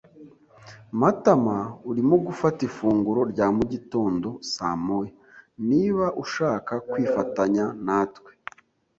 Matamaurimo gufata ifunguro rya mugitondo saa moya, niba ushaka kwifatanya natwe.